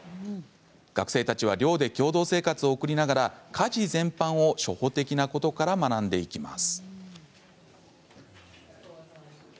学生たちは寮で共同生活を送りながら家事全般を初歩的なことから学んでいきます。